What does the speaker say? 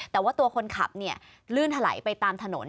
แต่ว่าตัวคนขับลื่นถลายไปตามถนน